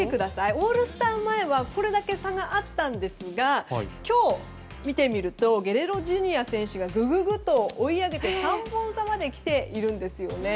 オールスター前はこれだけ差があったんですが今日、見てみるとゲレーロＪｒ．選手がググっと追い上げて３本差まで追い上げてきているんですね。